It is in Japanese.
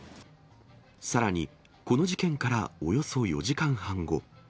さらに、この事件からおよそ４時間半後。